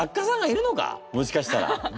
もしかしたら。